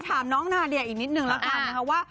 ขอถามน้องณเดชน์อีกนิดหนึ่งละกัน